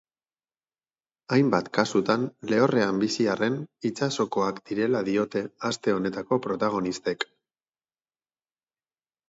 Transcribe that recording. Hainbat kasutan lehorrean bizi arren, itsasokoak direla diote aste honetako protagonistek.